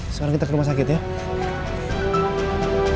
sekarang kita ke tempat yang lebih baik